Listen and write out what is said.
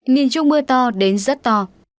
miền trung mưa to đến rất to